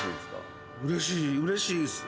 うれしいですか？